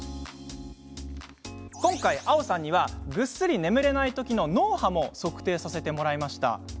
今回、あおさんにはぐっすり眠れない時の脳波も測定させてもらいました。